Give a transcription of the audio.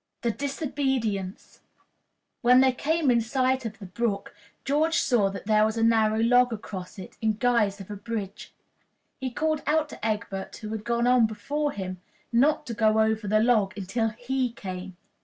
The Disobedience. When they came in sight of the brook, George saw that there was a narrow log across it, in guise of a bridge. He called out to Egbert, who had gone on before him, not to go over the log until he came.